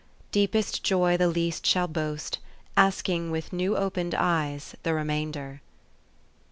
Deepest joy the least shall boast, Asking with new opened eyes The remainder."